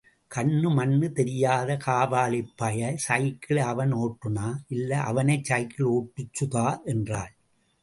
கண்ணு மண்ணு தெரியாத காவாலிப் பய... சைக்கிளை அவன் ஓட்டுனா இல்ல... அவனை சைக்கிள் ஓட்டுச்சுதா...? என்றாள்.